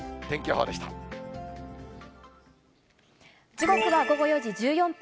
時刻は午後４時１４分、